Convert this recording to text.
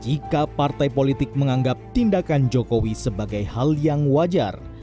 jika partai politik menganggap tindakan jokowi sebagai hal yang wajar